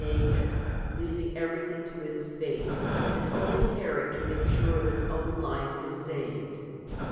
naked, leaving everything to its fate, and only caring to make sure of his own life is saved.